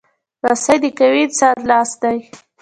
رسۍ د قوي انسان لاس دی.